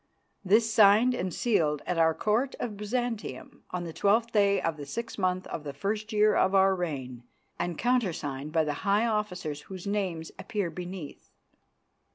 This signed and sealed at our Court of Byzantium on the twelfth day of the sixth month of the first year of our reign, and countersigned by the high officers whose names appear beneath.